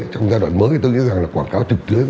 trong giai đoạn mới thì tôi nghĩ rằng là quảng cáo trực tuyến